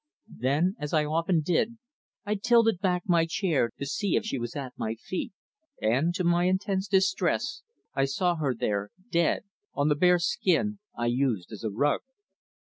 Then, as I often did, I tilted back my chair to see if she was at my feet, and to my intense distress I saw her there dead, on the bear skin I used as a rug.